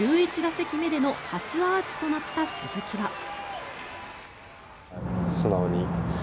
１１打席目での初アーチとなった鈴木は。